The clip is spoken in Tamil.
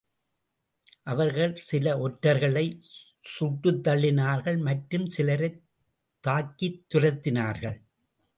அவர்கள் சில ஒற்றர்களைச் சுட்டுத்தள்ளினார்கள் மற்றும் சிலரைத் தாக்கித்துரத்தினார்கள்.